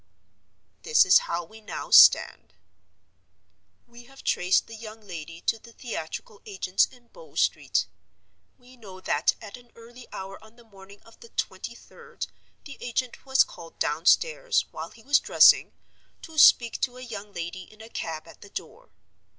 "This is how we now stand: "We have traced the young lady to the theatrical agent's in Bow Street. We know that at an early hour on the morning of the twenty third the agent was called downstairs, while he was dressing, to speak to a young lady in a cab at the door.